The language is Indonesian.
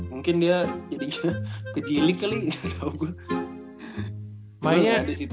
mungkin dia kejilik kali ga tau gua